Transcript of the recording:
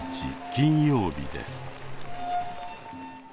金曜日です。